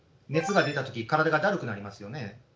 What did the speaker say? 熱が出たとき体がだるくなりますよね。